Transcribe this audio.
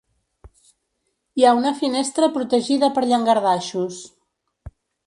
Hi ha una finestra protegida per llangardaixos.